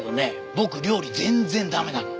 僕料理全然駄目なの。